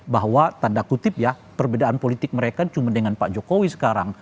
bahwa tanda kutip ya perbedaan politik mereka cuma dengan pak jokowi sekarang